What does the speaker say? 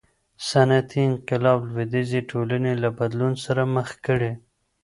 صنعتي انقلاب لویدیځې ټولني له بدلون سره مخ کړې.